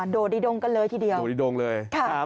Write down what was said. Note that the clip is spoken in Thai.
โดดิดงกันเลยทีเดียวโดดิดงเลย